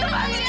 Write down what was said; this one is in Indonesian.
tempat ini ibu